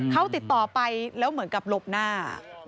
เขาติดต่อไปแล้วเหมือนกับหลบหน้า